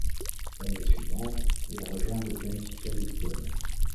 L'année suivante, il rejoint le Benfica Lisbonne.